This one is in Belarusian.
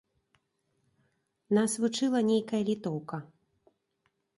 Нас вучыла нейкая літоўка.